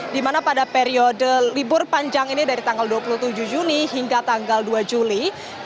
di mana pada periode libur panjang ini dari tanggal dua puluh tujuh juni hingga tanggal dua juli